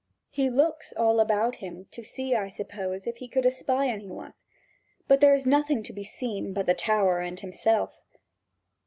He looks all about him to see, I suppose, if he could espy any one; but there is nothing to be seen but the tower and himself.